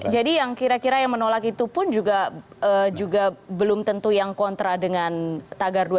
jadi yang kira kira menolak itu pun juga belum tentu yang kontra dengan tagar dua juta